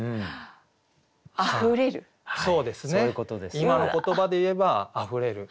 今の言葉で言えば「あふれる」。